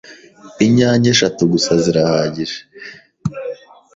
Inyanya eshatu gusa zirahagije